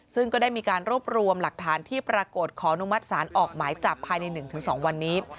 ซึ่งก็ได้มีการรวบรวมหลักฐานที่ปรากฏขอนุมัติศาลออกหมายจับภายใน๑๒วันนี้